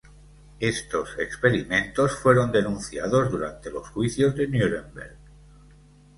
Estos experimentos fueron denunciados durante los Juicios de Núremberg.